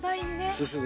進む。